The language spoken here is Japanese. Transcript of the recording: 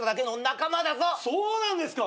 そうなんですか！？